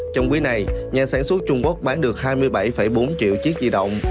trong quý này nhà sản xuất trung quốc bán được hai mươi bảy bốn triệu chiếc di động